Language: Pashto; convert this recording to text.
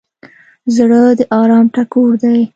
زړه د ارام ټکور دی.